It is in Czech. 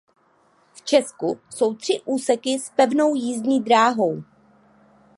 V Česku jsou tři úseky s pevnou jízdní dráhou.